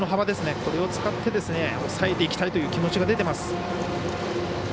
これを使って抑えていきたいという気持ちが出ています。